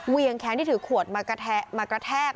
เหวี่ยงแขนที่ถือขวดมากระแทก